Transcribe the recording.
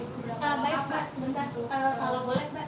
kalau terlalu lama lagi bahkan ada sering beberapa kegadian